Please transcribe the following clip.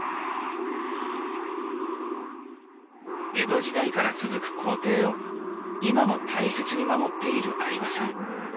江戸時代から続く工程を今も大切に守っている饗庭さん。